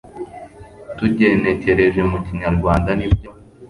tugenekereje mu Kinyarwanda nibyo